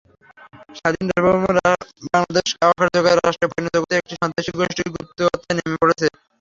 স্বাধীন সার্বভৌম বাংলাদেশকে অকার্যকর রাষ্ট্রে পরিণত করতেই একটি সন্ত্রাসী গোষ্ঠী গুপ্তহত্যায় নেমে পড়েছে।